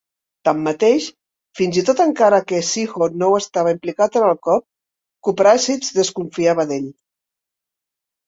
Tanmateix, fins i tot encara que Siho no estava implicat en el cop, Kouprasith desconfiava d'ell.